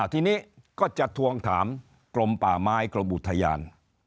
ทีนี้ก็จะทวงถามกรมป่าไม้กรมอุทยาน